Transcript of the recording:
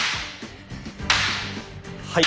はい。